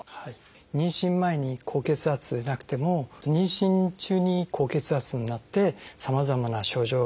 妊娠前に高血圧でなくても妊娠中に高血圧になってさまざまな症状が出る。